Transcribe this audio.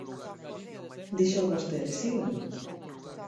Díxoo vostede, ¿si ou non?